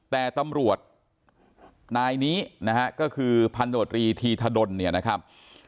แต่ตำรวจนายนี้นะฮะก็คือพันโดรีธีธดลเนี่ยนะครับ